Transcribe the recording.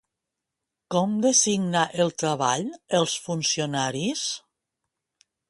Com designa el treball els funcionaris?